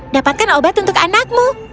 dapatkan obat untuk anakmu